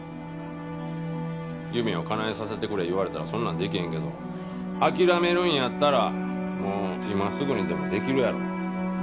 夢をかなえさせてくれ言われたらそんなんできへんけど諦めるんやったらもう今すぐにでもできるやろ。